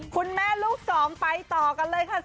คุณแม่ลูกสองไปต่อกันเลยค่ะ